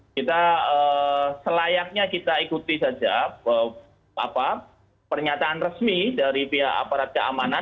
kita selayaknya kita ikuti saja pernyataan resmi dari pihak aparat keamanan